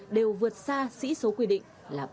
đều vượt xa sĩ số quy định